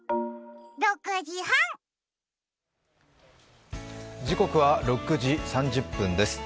時刻は６時３０分です。